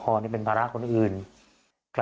ใครที่เป็นเหมือนผมก็ต้องตดทนนะครับต้องสู้นะครับ